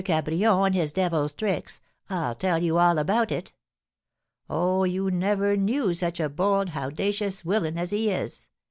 Cabrion and his devil's tricks, I'll tell you all about it. Oh, you never knew such a bold howdacious willin as he is!